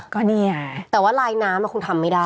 ก็เนี่ยแต่ว่าลายน้ำมันคงทำไม่ได้